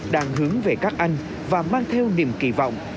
đang hướng về các anh và mang theo niềm kỳ vọng